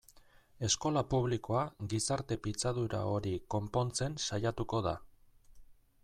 Eskola publikoa gizarte pitzadura hori konpontzen saiatuko da.